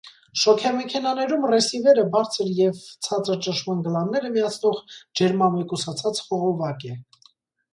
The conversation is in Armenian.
Շոգեմեքենաներում ռեսիվերը բարձր և ցածր ճնշման գլանները միացնող ջերմամեկուսացած խողովակ է։